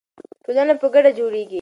ټولنه په ګډه جوړیږي.